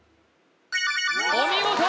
お見事！